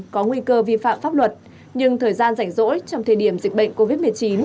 có nguy cơ vi phạm pháp luật nhưng thời gian rảnh rỗi trong thời điểm dịch bệnh covid một mươi chín